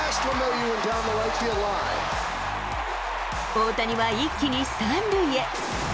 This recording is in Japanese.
大谷は一気に３塁へ。